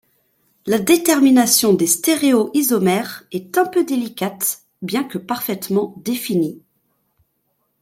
La détermination des stéréoisomères est un peu délicate bien que parfaitement définie.